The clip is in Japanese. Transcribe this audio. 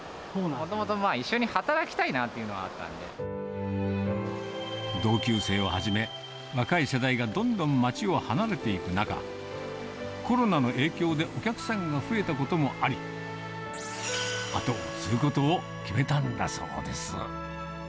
もともと一緒に働きたいなってい同級生をはじめ、若い世代がどんどん町を離れていく中、コロナの影響でお客さんが増えたこともあり、後を継ぐことを決めたんだそうです。